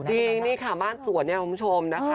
จริงนี่ค่ะบ้านสวนเนี่ยคุณผู้ชมนะคะ